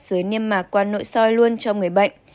dưới niêm mạc qua nội soi luôn cho người bệnh